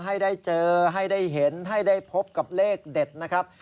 ให้ได้เจอให้ได้เห็นให้ได้พบกับเลขเด็ดนะครับ